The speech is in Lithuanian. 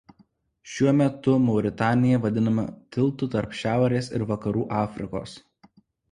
Šiuo metu Mauritanija vadinama tiltu tarp Šiaurės ir Vakarų Afrikos.